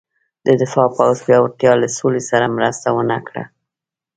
د دفاع پوځ پیاوړتیا له سولې سره مرسته ونه کړه.